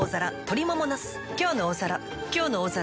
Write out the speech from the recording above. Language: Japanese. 「きょうの大皿」